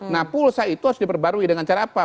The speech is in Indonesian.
nah pulsa itu harus diperbarui dengan cara apa